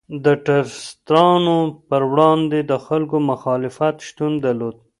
د ټرستانو پر وړاندې د خلکو مخالفت شتون درلود.